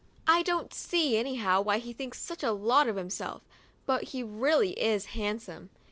I don't see, anyhow, why he thinks such a lot of himself; but he really is handsome.